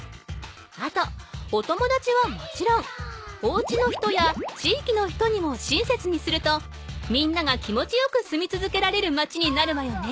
あとおともだちはもちろんおうちの人やちいきの人にも親切にするとみんなが気持ちよく住みつづけられる町になるわよね。